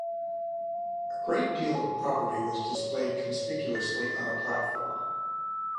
A great deal of property was displayed conspicuously on a platform.